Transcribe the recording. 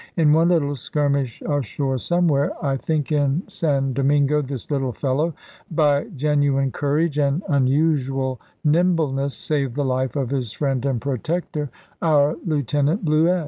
In one little skirmish ashore somewhere, I think in San Domingo, this little fellow, by genuine courage and unusual nimbleness, saved the life of his friend and protector, our Lieutenant Bluett.